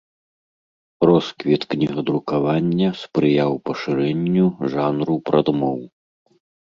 Росквіт кнігадрукавання спрыяў пашырэнню жанру прадмоў.